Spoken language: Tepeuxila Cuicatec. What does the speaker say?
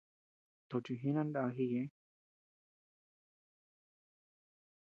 Tochi jinan naa jiñeʼë.